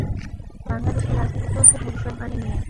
বাংলাদেশের রাজনীতি চলছে ভবিষ্যদ্বাণী নিয়ে।